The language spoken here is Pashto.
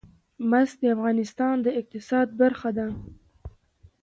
مس د افغانستان د اقتصاد برخه ده.